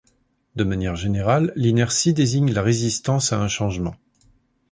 De manière générale, l'inertie désigne la résistance à un changement.